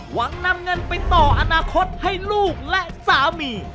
นำเงินไปต่ออนาคตให้ลูกและสามี